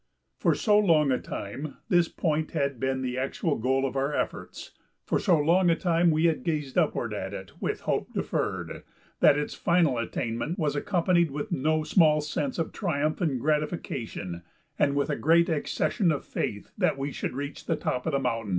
For so long a time this point had been the actual goal of our efforts, for so long a time we had gazed upward at it with hope deferred, that its final attainment was accompanied with no small sense of triumph and gratification and with a great accession of faith that we should reach the top of the mountain.